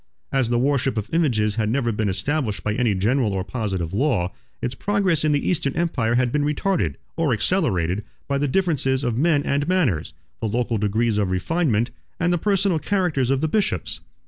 As the worship of images had never been established by any general or positive law, its progress in the Eastern empire had been retarded, or accelerated, by the differences of men and manners, the local degrees of refinement, and the personal characters of the bishops.